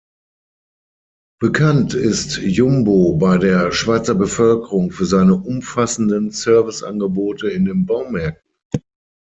Bekannt ist Jumbo bei der Schweizer Bevölkerung für seine umfassenden Serviceangebote in den Baumärkten.